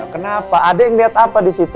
kenapa ada yang lihat apa di situ